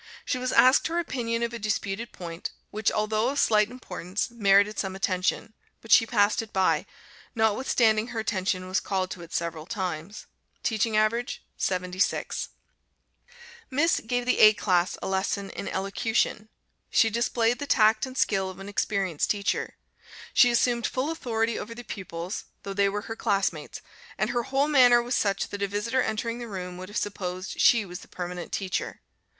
She was asked her opinion of a disputed point, which, although of slight importance, merited some attention; but she passed it by, notwithstanding her attention was called to it several times. Teaching average, 76. Miss gave the A class a lesson in Elocution. She displayed the tact and skill of an experienced teacher. She assumed full authority over the pupils (though they were her classmates), and her whole manner was such that a visitor entering the room would have supposed she was the permanent teacher.